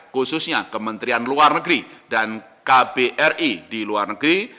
khususnya kementerian luar negeri dan kbri di luar negeri